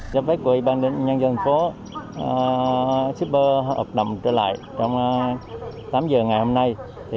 do phép của ybnd thành phố shipper hợp đồng trở lại trong tám giờ ngày hôm nay